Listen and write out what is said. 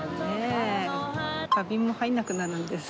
花瓶も入らなくなるんです。